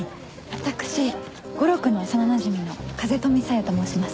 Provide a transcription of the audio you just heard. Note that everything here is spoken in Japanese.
私悟郎君の幼なじみの風富小夜と申します。